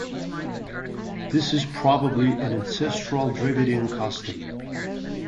This is probably an ancestral Dravidian custom.